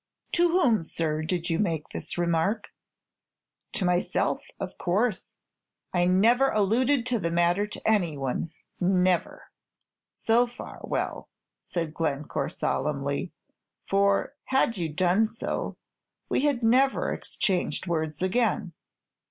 "To whom, sir, did you make this remark?" "To myself, of course. I never alluded to the matter to any other; never." "So far, well," said Glencore, solemnly; "for had you done so, we had never exchanged words again!"